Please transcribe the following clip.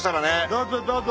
どうぞどうぞ。